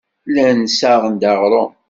Llan ssaɣen-d aɣrum.